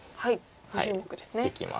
５０目ですね。